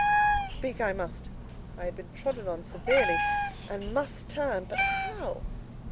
Speak I must: I had been trodden on severely, and must turn: but how?